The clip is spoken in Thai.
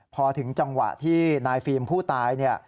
พอถึงจังหวะที่นายฟิล์มผู้ตายเนี่ย